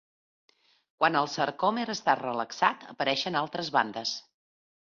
Quan el sarcòmer està relaxat apareixen altres bandes.